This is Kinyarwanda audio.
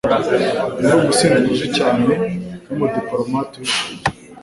Yari umusizi uzwi cyane numudipolomate ubishoboye